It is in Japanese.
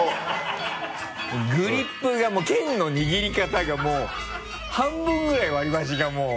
グリップがもう剣の握り方がもう半分ぐらい割り箸がもう。